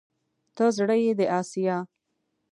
ته زړه يې د اسيا